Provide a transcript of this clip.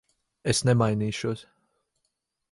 Es nemainīšos.